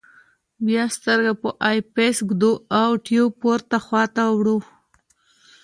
بیا سترګه په آی پیس ږدو او ټیوب پورته خواته وړو.